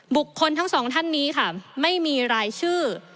บุคคลทั้งสองท่านนี้ค่ะไม่มีรายชื่อ